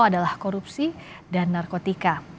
adalah korupsi dan narkotika